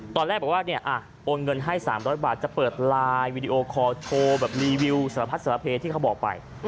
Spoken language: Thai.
ตอนแรกบอกว่าเนี่ยโอนเงินให้๓๐๐บาทจะเปิดไลน์วีดีโอคอลโชว์แบบรีวิวสารพัดสารเพที่เขาบอกไป